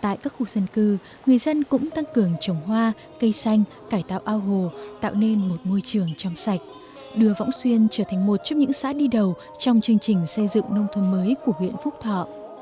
tại các khu dân cư người dân cũng tăng cường trồng hoa cây xanh cải tạo ao hồ tạo nên một môi trường trong sạch đưa võng xuyên trở thành một trong những xã đi đầu trong chương trình xây dựng nông thôn mới của huyện phúc thọ